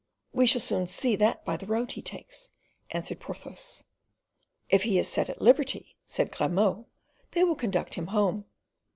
"We shall soon see that by the road he takes," answered Porthos. "If he is set at liberty," said Grimaud, "they will conduct him home."